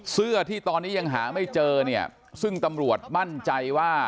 เสื้อที่ตอนนี้ยังหาไม่เจอเนี่ยซึ่งตำรวจมั่นใจว่า